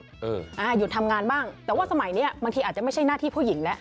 หยุดทำงานบ้างแต่ว่าสมัยเนี้ยบางทีอาจจะไม่ใช่หน้าที่ผู้หญิงแล้ว